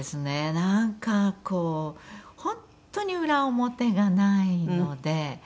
なんかこう本当に裏表がないので。